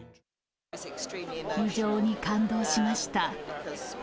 非常に感動しました。